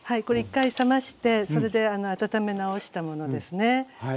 これ１回冷ましてそれで温め直したものですね。